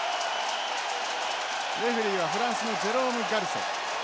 レフェリーはフランスのジェロームガロセ。